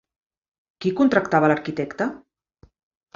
Qui contractava l'arquitecte?